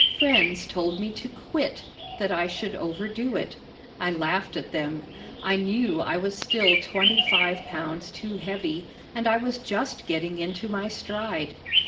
Friends told me to quit that I should overdo it. I laughed at them. I knew I was still twenty five pounds too heavy and I was just getting into my stride.